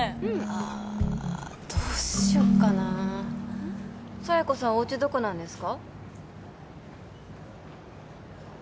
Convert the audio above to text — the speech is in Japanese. ああどうしよっかなあ佐弥子さんおうちどこなんですか？